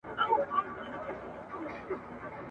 شپه مي نیمی که له آذانه پر ما ښه لګیږي ..